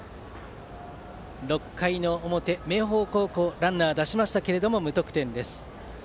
６回の表、明豊高校ランナー出しましたが無得点です。